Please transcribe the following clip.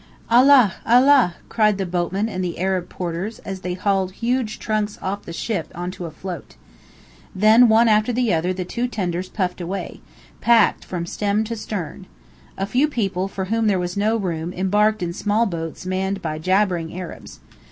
"Allah Allah!" cried the boatman and the Arab porters as they hauled huge trunks off the ship onto a float. Then one after the other the two tenders puffed away, packed from stem to stern. A few people for whom there was no room embarked in small boats manned by jabbering Arabs.